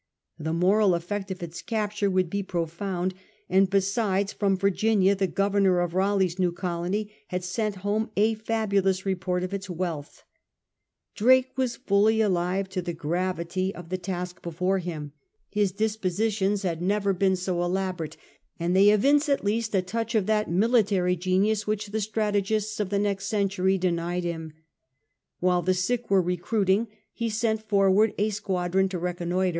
The moral effect of its capture would be pro found, and besides, from Virginia the governor of Saleigh's new colony had sent home a fabulous report of its wealth. Drake was fully alive to the gravity of 104 S/R FRANCIS DRAKE . chap. the task before him. His dispositions had never been so elaborate, and they evince at least a touch of that military genius which the strategists of the next century denied him. While the sick were recruiting he sent forward a squadron to reconnoiti?